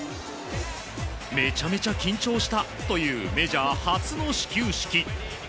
めちゃめちゃ緊張したというメジャー初の始球式。